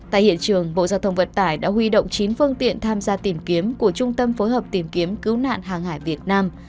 tại hiện trường bộ giao thông vận tải đã huy động chín phương tiện tham gia tìm kiếm của trung tâm phối hợp tìm kiếm cứu nạn hàng hải việt nam